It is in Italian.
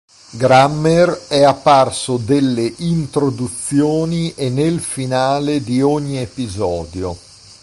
Grammer è apparso delle introduzioni e nel finale di ogni episodio.